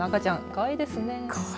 かわいいですね。